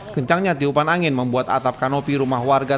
kencangnya tiupan angin membuat atap kanopi rumah warga